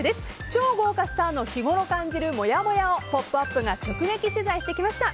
超豪華スターの日ごろ感じるもやもやを「ポップＵＰ！」が直撃取材してきました。